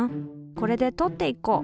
これでとっていこう。